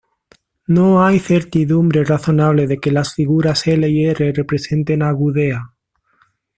No hay certidumbre razonable de que las figuras L y R representen a Gudea.